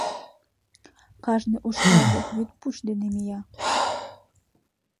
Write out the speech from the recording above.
Кажне ушкал дек вӱд пуч дене мия.